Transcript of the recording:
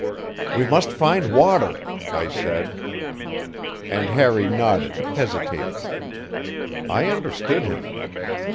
"We must find water," I said, and Harry nodded, hesitating. I understood him.